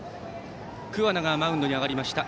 桑名がマウンドに上がりました。